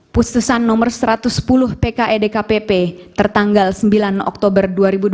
putusan nomor sepuluh pke dkpp tertanggal sembilan oktober dua ribu dua puluh tiga